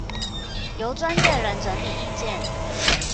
由專業人整理意見